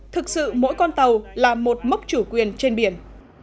thực sự mỗi con tàu là một mốc chủ quyền trên biển